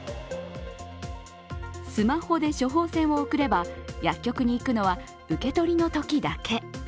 スマホで処方箋を送れば、薬局に行くのは受け取りのときだけ。